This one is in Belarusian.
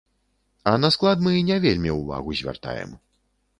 А на склад мы не вельмі ўвагу звяртаем.